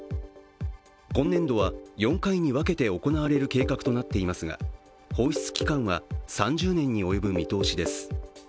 今年度は４回に分けて行われる計画となっていますが、放出期間は３０年に及ぶ見通しです。